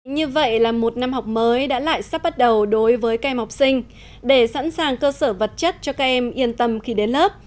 như vậy là một năm học mới đã lại sắp bắt đầu đối với các em học sinh để sẵn sàng cơ sở vật chất cho các em yên tâm khi đến lớp